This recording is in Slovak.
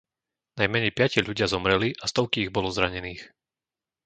Najmenej piati ľudia zomreli a stovky ich bolo zranených.